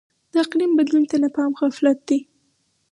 د اقلیم بدلون ته نه پام غفلت دی.